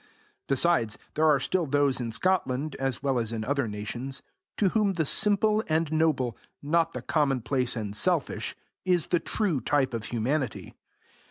Besides, there are still those in Scotland, as well as in other nations, to whom the simple and noble, not the commonplace and selfish, is the true type of humanity.